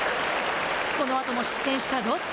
このあとも失点したロッテ。